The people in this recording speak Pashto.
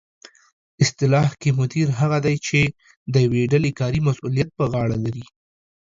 اصطلاح کې مدیر هغه دی چې د یوې ډلې کاري مسؤلیت په غاړه ولري